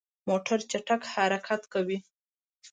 موټر چټک حرکت کوي.